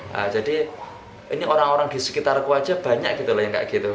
nah jadi ini orang orang di sekitarku aja banyak gitu loh yang kayak gitu